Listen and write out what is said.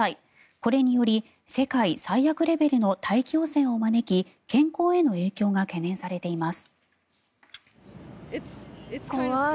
これにより世界最悪レベルの大気汚染を招き健康への影響が懸念されています。